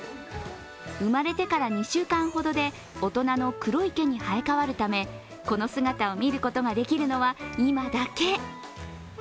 生まれてから２週間ほどで、大人の黒い毛に生え替わるためこの姿を見ることができるのは、今だけ。